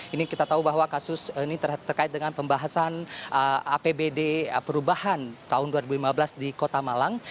ini kita tahu bahwa kasus ini terkait dengan pembahasan apbd perubahan tahun dua ribu lima belas di kota malang